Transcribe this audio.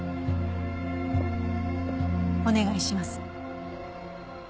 お願いします。